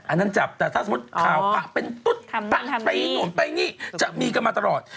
อันนั้นจับแต่ถ้าสมมุติข่าวปะเป็นตุ๊ดไปนู่นไปนี่จะมีกันมาตลอด